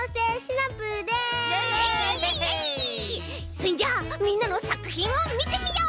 そんじゃあみんなのさくひんをみてみよう！